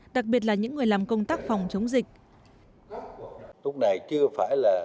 đặc biệt là những người làm công tác phòng chống dịch